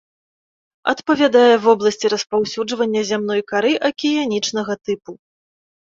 Адпавядае вобласці распаўсюджвання зямной кары акіянічнага тыпу.